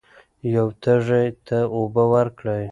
یو تږي ته اوبه ورکړئ.